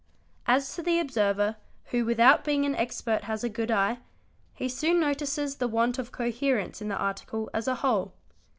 As to the observer, who without being an expert has a good eye, he soon notices the want of coherence in the article asa whole.